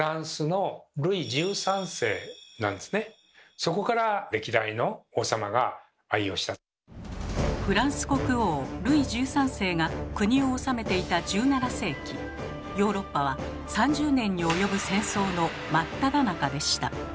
そこからフランス国王ルイ１３世が国を治めていた１７世紀ヨーロッパは３０年に及ぶ戦争の真っただ中でした。